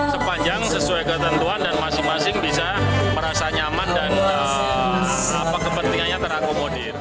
sepanjang sesuai ketentuan dan masing masing bisa merasa nyaman dan kepentingannya terakomodir